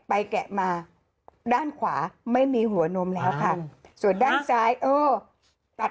แกะมาด้านขวาไม่มีหัวนมแล้วค่ะส่วนด้านซ้ายเออตัด